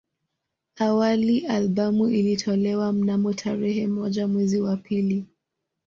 Awali albamu ilitolewa mnamo tarehe moja mwezi wa pili